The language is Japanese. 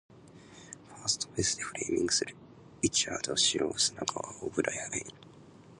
ファーストベースでフレーミングするリチャード誠砂川オブライエン